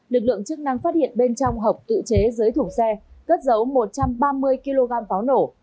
lực lượng chức năng phát hiện bên trong hộp tự chế dưới thủ xe cất dấu một trăm ba mươi kg pháo nổ